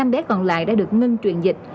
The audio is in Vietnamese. năm bé còn lại đã được ngưng truyền dịch